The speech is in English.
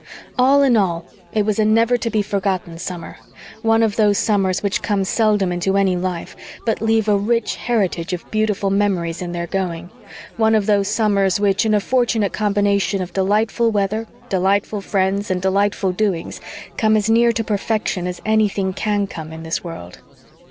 All in all, it was a never to be forgotten summer one of those summers which come seldom into any life, but leave a rich heritage of beautiful memories in their going one of those summers which, in a fortunate combination of delightful weather, delightful friends and delightful doings, come as near to perfection as anything can come in this world.